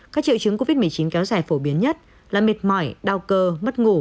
các triệu chứng covid một mươi chín kéo dài phổ biến nhất là mệt mỏi đau cơ mất ngủ